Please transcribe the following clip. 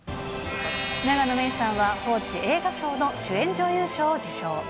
永野芽郁さんは、報知映画賞の主演女優賞を受賞。